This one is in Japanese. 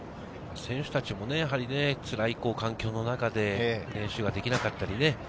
選手たちもつらい環境の中で練習ができなかったりね。